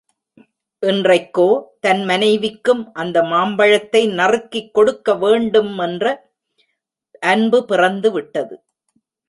இன்றைக்கோ தன் மனைவிக்கும் அந்த மாம்பழத்தை நறுக்கிக் கொடுக்க வேண்டும்மென்ற அன்பு பிறந்துவிட்டது.